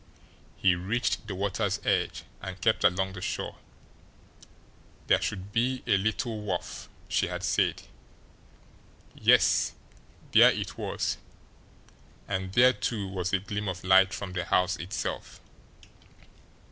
He reached the water's edge and kept along the shore. There should be a little wharf, she had said. Yes; there it was and there, too, was a gleam of light from the house itself.